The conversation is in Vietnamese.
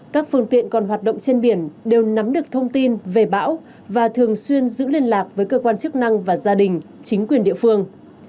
các phương tiện còn hoạt động trên biển đều nắm được thông tin về bão và thường xuyên giữ liên lạc với cơ quan chức năng và gia đình chính quyền địa phương